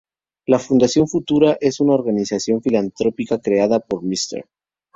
La Fundación Futura es una organización filantrópica creada por Mr.